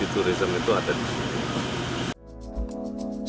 futurisme itu ada di sini